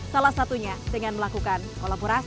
salah satunya dengan melakukan kolaborasi